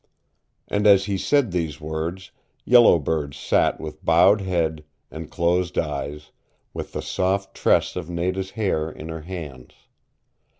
And as he said these words, Yellow Bird sat with bowed head and closed eyes, with the soft tress of Nada's hair in her hands.